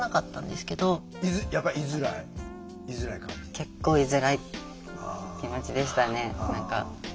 結構居づらい気持ちでしたね何か。